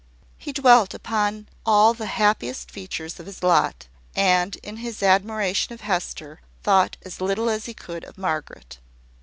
He dwelt upon all the happiest features of his lot; and, in his admiration of Hester, thought as little as he could of Margaret.